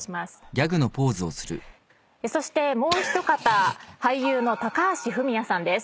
そしてもう一方俳優の高橋文哉さんです。